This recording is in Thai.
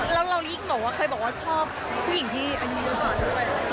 แล้วเราก็ยิ่งบอกว่าใครบอกว่าชอบผู้หญิงที่อันนี้ก่อน